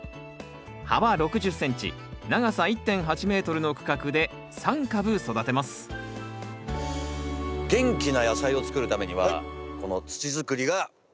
幅６０ｃｍ長さ１．８ｍの区画で３株育てます元気な野菜を作るためにはこの土づくりが重要なわけですよね？